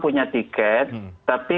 punya tiket tapi